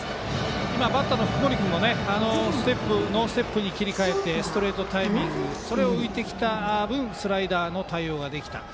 今はバッターの福盛君もノーステップに切り替えてストレートタイミングそれが浮いてきた分スライダーの対応ができた。